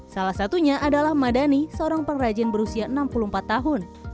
salah satunya adalah madani seorang pengrajin berusia enam puluh empat tahun